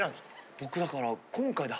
僕だから。